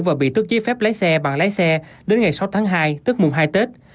và bị tước giấy phép lái xe bằng lái xe đến ngày sáu tháng hai tức mùng hai tết